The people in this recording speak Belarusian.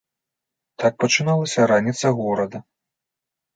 Так пачыналася раніца горада.